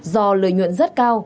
do lợi nhuận rất cao